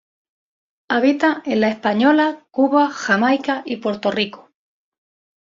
Habita en La Española, Cuba, Jamaica y Puerto Rico.